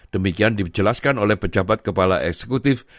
demikian dijelaskan oleh pejabat kepala eksekutif